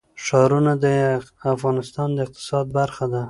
ښارونه د افغانستان د اقتصاد برخه ده.